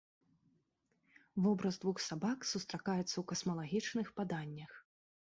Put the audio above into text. Вобраз двух сабак сустракаецца ў касмалагічных паданнях.